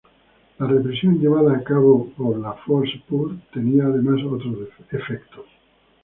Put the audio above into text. La represión llevada a cabo por la "Force Publique" tenía además otros efectos.